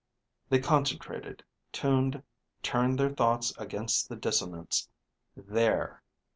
They concentrated, tuned, turned their thoughts against the dissonance. _There....